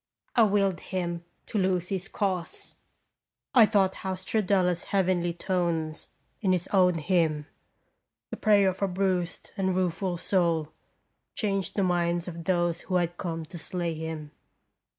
I willed him to lose his cause. I thought how Stradella's heavenly tones in his own hymn, the prayer of a bruised and rueful soul, changed the minds of those who had come to slay him.